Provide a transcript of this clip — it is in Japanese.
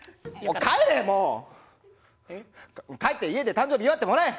帰って家で誕生日祝ってもらえ！